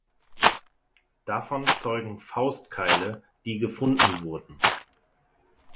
Davon zeugen Faustkeile, die gefunden wurden.